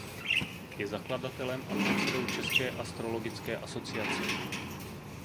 Je zakladatelem a předsedou České astrologické asociace.